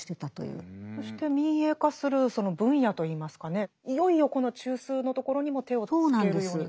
そして民営化するその分野といいますかねいよいよこの中枢のところにも手をつけるようになる。